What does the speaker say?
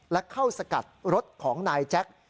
และเข้าสกัดรถของนายแจ็ค